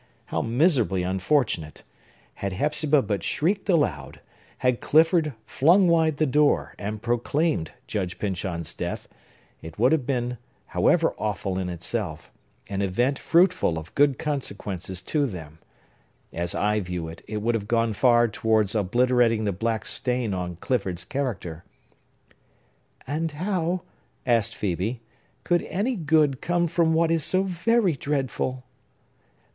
How miserably unfortunate! Had Hepzibah but shrieked aloud,—had Clifford flung wide the door, and proclaimed Judge Pyncheon's death,—it would have been, however awful in itself, an event fruitful of good consequences to them. As I view it, it would have gone far towards obliterating the black stain on Clifford's character." "And how," asked Phœbe, "could any good come from what is so very dreadful?"